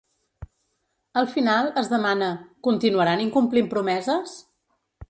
Al final, es demana: ‘Continuaran incomplint promeses?’